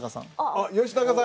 吉高さん。